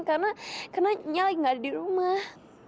karena karena nyali gak ada di rumah